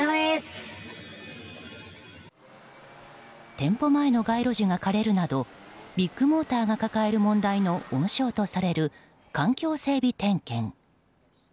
店舗前の街路樹が枯れるなどビッグモーターが抱える問題の温床とされる環境整備点検。